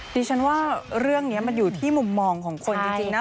ดิฉันว่าเรื่องนี้มันอยู่ที่มุมมองของคนจริงนะ